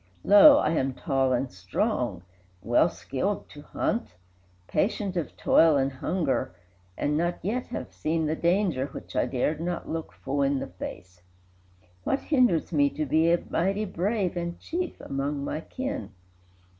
Lo, I am tall and strong, well skilled to hunt, Patient of toil and hunger, and not yet Have seen the danger which I dared not look Full in the face; what hinders me to be A mighty Brave and Chief among my kin?"